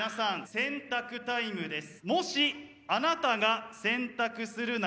選択タイムです。